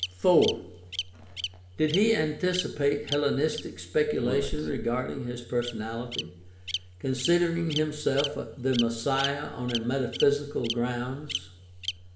4. Did he anticipate Hellenistic speculation regarding his personality, considering himself the Messiah on metaphysical grounds